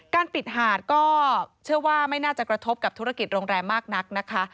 ปิดหาดก็เชื่อว่าไม่น่าจะกระทบกับธุรกิจโรงแรมมากนักนะคะ